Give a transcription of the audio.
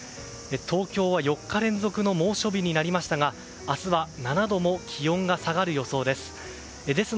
東京は４日連続の猛暑日になりましたが明日は７度も気温が下がる予想です。